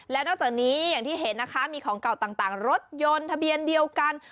และนอกจากนี้อย่างที่เห็นนะคะมีของเก่าต่างรถยนต์ทะเบียนเดียวกัน